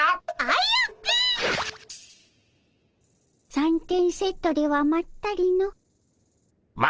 三点セットではまったりの。